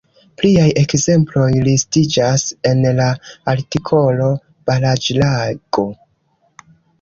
Pliaj ekzemploj listiĝas en la artikolo baraĵlago.